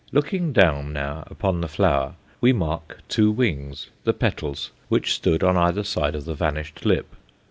Looking down now upon the flower, we mark two wings, the petals, which stood on either side of the vanished lip.